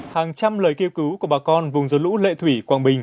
hàng trăm lời kêu cứu của bà con vùng dồn lũ lệ thủy quảng bình